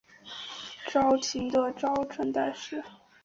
朝廷下诏赠太师。